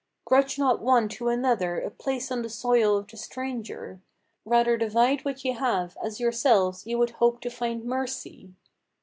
Grudge not one to another a place on the soil of the stranger; Rather divide what ye have, as yourselves, ye would hope to find mercy."